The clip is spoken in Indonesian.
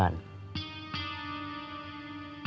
jangan ada korban